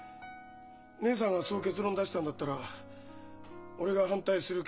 義姉さんがそう結論出したんだったら俺が反対する権利はない。